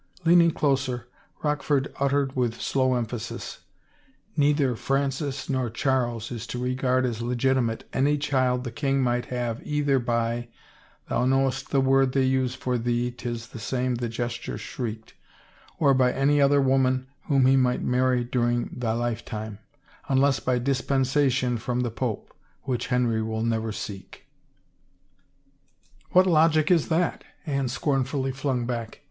Leaning closer Rochford uttered with slow emphasis, " Neither Francis nor Charles is to regard as legitimate any child the king might have either by — thou knowest the word they use for thee, 'tis the same the jester shrieked — or by any other woman whom he might marry during thy lifetime, unless by dispensation from the pope — which Henry will never seek." 314 RUMORS if it What logic is that?" Anne scornfully flung back.